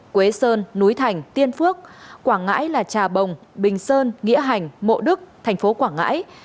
quế sơn núi thành tiên phước quảng ngãi là trà bồng bình sơn nghĩa hành mộ đức thành phố quảng ngãi